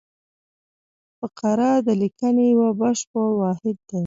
فقره د لیکني یو بشپړ واحد دئ.